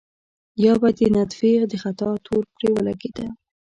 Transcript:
يا به د نطفې د خطا تور پرې لګېده.